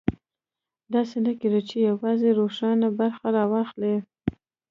داسې نه کېږي چې یوازې روښانه برخه راواخلي.